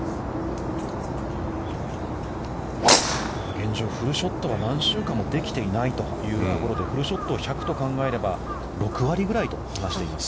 現状、フルショットは何週間もできていないというところで、フルショットを１００と考えれば、６割ぐらいと話しています